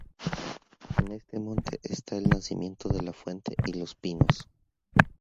En este monte están el nacimiento de la fuente y los pinos.